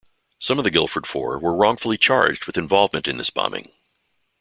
Some of the Guildford Four were wrongfully charged with involvement in this bombing.